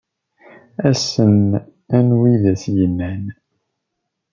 Ass-n anwi i d as-yennan.